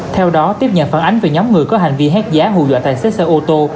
theo đó tiếp nhận phản ánh về nhóm người có hành vi hét giá hù dọa tài xế xe ô tô